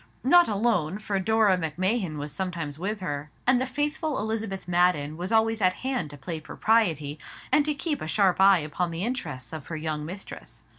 Not alone, for Dora Macmahon was sometimes with her, and the faithful Elizabeth Madden was always at hand to play propriety, and to keep a sharp eye upon the interests of her young mistress.